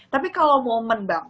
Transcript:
tapi kalau momen bang